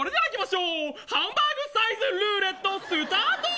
ハンバーグサイズルーレットスタート。